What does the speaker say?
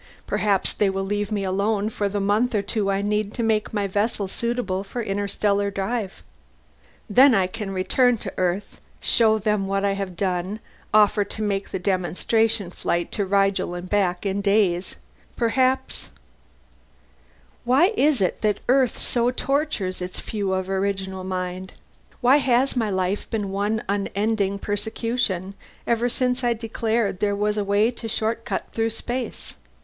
Perhaps they will leave me alone for the month or two more I need to make my vessel suitable for interstellar drive. Then I can return to Earth, show them what I have done, offer to make a demonstration flight to Rigel and back in days, perhaps "Why is it that Earth so tortures its few of original mind? Why has my life been one unending persecution, ever since I declared there was a way to shortcut through space?